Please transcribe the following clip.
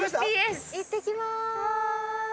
いってきます。